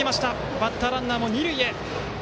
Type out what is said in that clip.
バッターランナーも二塁へ。